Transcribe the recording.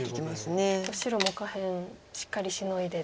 結構白も下辺しっかりシノいで。